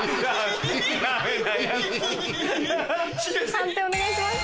判定お願いします。